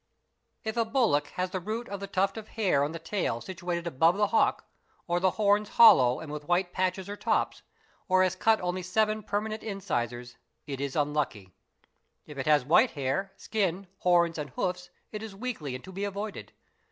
; If a bullock has the root of the tuft of hair on the tail situated above the hock, or the horns hollow and with white patches or tops, or has cut only seven permanent incisors, it is unlucky. If it has white hair, skin, horns, and hoofs it is weakly and to be avoided.